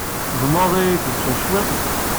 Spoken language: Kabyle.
Tzemreḍ ad iyi-d-jjeḍ cwiṭ?